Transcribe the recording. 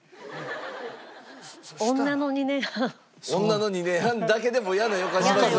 女の２年半だけでも嫌な予感します？